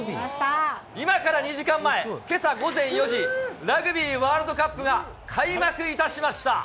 今から２時間前、けさ午前４時、ラグビーワールドカップが開幕いたしました。